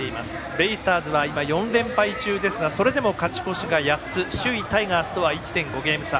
ベイスターズは、今４連敗中ですがそれでも勝ち越しが８つ首位タイガースとは１．５ゲーム差。